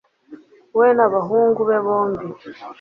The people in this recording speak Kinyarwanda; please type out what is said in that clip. we n abahungu be bombi